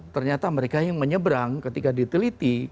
ternyata mereka yang menyeberang ketika diteliti